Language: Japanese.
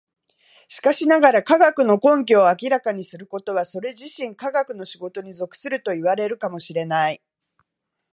しかしながら、科学の根拠を明らかにすることはそれ自身科学の仕事に属するといわれるかも知れない。